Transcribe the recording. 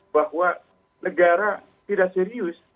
bahwa negara tidak serius